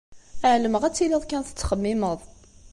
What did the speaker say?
Ɛelmeɣ ad tiliḍ kan tettxemmimeḍ.